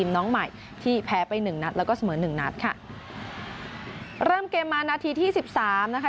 น้องใหม่ที่แพ้ไปหนึ่งนัดแล้วก็เสมอหนึ่งนัดค่ะเริ่มเกมมานาทีที่สิบสามนะคะ